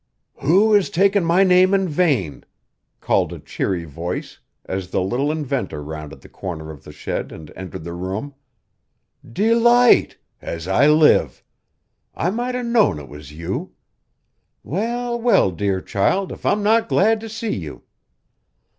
"Who is takin' my name in vain?" called a cheery voice, as the little inventor rounded the corner of the shed and entered the room. "Delight as I live! I might 'a' known it was you. Well, well, dear child, if I'm not glad to see you."